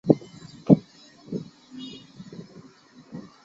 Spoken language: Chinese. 她这个赛季被分配到加拿大站和法国站。